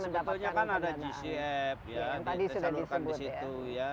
sebetulnya kan ada gcf ya yang tadi sudah disebut